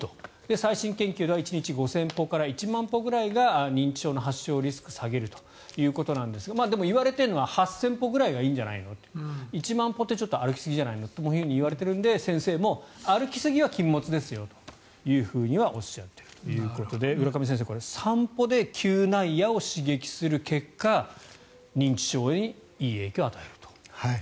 最新研究では１日５０００歩から１万歩くらいが認知症の発症リスクを下げるということですがでも、言われているのは８０００歩ぐらいがいいんじゃないの１万歩は歩きすぎじゃないのといわれているので先生も歩きすぎは禁物ですよということで浦上先生散歩で嗅内野を刺激する結果認知症にいい影響を与えると。